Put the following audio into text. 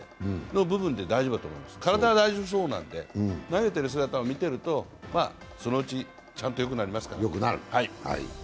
体は大丈夫そうなんで、投げている姿を見ているとそのうち、ちゃんとよくなりますから。